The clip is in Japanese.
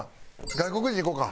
外国人いこうか。